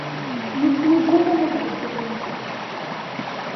Nutni ggumman ad beddlen.